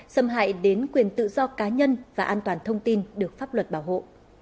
xâm hại đến quyền tự do cá nhân và an toàn thông tin được pháp luật bảo hộ